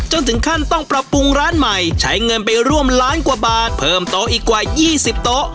จนถึงขั้นต้องปรับปรุงร้านใหม่ใช้เงินไปร่วมล้านกว่าบาทเพิ่มโต๊ะอีกกว่า๒๐โต๊ะ